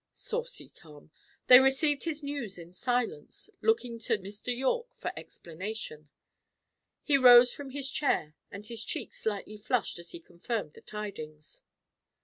Saucy Tom! They received his news in silence, looking to Mr. Yorke for explanation. He rose from his chair, and his cheek slightly flushed as he confirmed the tidings.